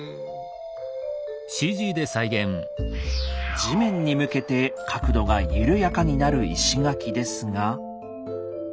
地面に向けて角度が緩やかになる石垣ですが。